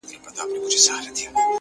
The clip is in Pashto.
وركه يې كړه؛